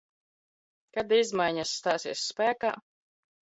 Kad izmaiņas stāsies spēkā?